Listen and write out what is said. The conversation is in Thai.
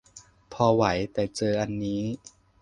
พอไหว แต่เจออันนี้